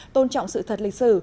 tôn trọng sự thật lịch sử